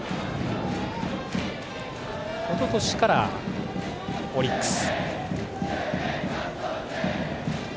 おととしからオリックス。